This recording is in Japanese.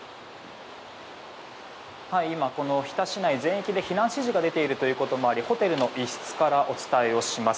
今、日田市全域で避難指示が出ていることもありホテルの一室からお伝えします。